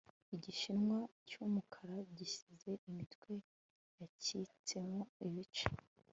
Igishishwa cyumukara gisize imitwe yacitsemo ibice